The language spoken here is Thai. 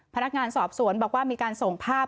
พนักงานสอบสวนบอกว่ามีการส่งภาพ